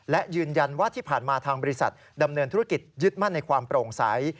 และยืนยันว่าที่ผ่านมาทางบริษัทดำเนินธุรกิจยึดมั่นในความโปร่งใส